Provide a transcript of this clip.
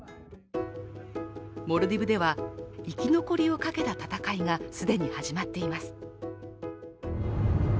モルディブでは、生き残りをかけた闘いが既に始まっています。